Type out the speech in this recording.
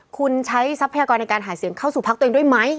คุณใช้ทรัพยากรในการหาเสียงเข้าสู่พักตัวเองด้วยไหม